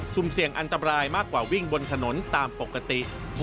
เสี่ยงอันตรายมากกว่าวิ่งบนถนนตามปกติ